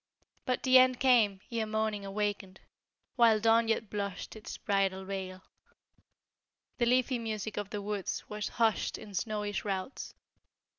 But the end came ere morning awakened, While Dawn yet blushed in its bridal veil, The leafy music of the woods was hushed in snowy shrouds.